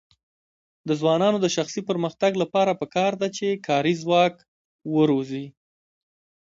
د ځوانانو د شخصي پرمختګ لپاره پکار ده چې کاري ځواک روزي.